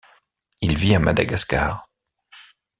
Il vit à Madagascar.